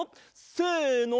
せの！